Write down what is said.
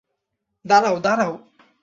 দাঁড়াও, দাঁড়াও!